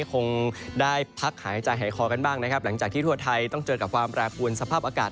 คงได้พักหายใจหายคอกันบ้างนะครับหลังจากที่ทั่วไทยต้องเจอกับความแปรปวนสภาพอากาศ